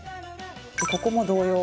ここも同様。